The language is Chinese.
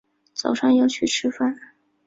早上要去吃饭